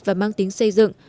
và mang tính xây dựng